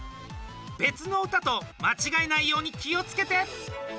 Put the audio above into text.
別の歌と間違えないように気をつけて！